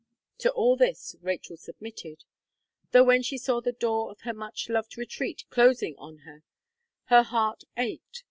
To all this Rachel submitted; though, when she saw the door of her much loved retreat closing on her, her heart ached.